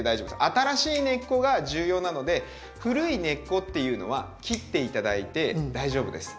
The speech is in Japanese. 新しい根っこが重要なので古い根っこっていうのは切って頂いて大丈夫です。